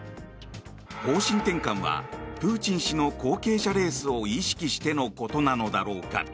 方針転換はプーチン氏の後継者レースを意識してのことなのだろうか。